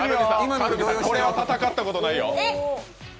カルビさん、これは戦ったことないよ。